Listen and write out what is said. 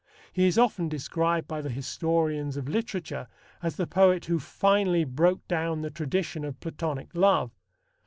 He is often described by the historians of literature as the poet who finally broke down the tradition of Platonic love.